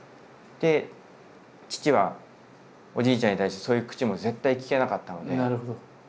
で父はおじいちゃんに対してそういう口も絶対利けなかったので。